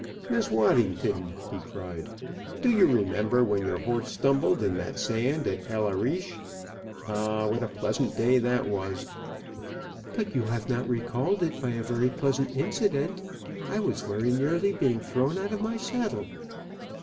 "Miss Waddington," he cried, "do you remember when your horse stumbled in the sand at El Arish? Ah! what a pleasant day that was!" "But you have not recalled it by a very pleasant incident. I was very nearly being thrown out of my saddle."